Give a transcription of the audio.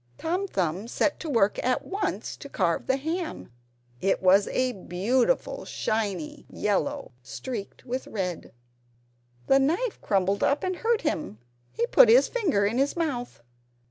Tom Thumb set to work at once to carve the ham. It was a beautiful shiny yellow, streaked with red. The knife crumpled up and hurt him; he put his finger in his mouth.